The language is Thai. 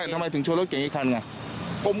ทำไมถึงชนรถเก่งอีกคันไง